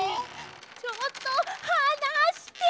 ちょっとはなして！